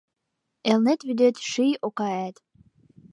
Элнет вӱдет — ший окаэт